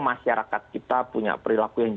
masyarakat kita punya perilaku yang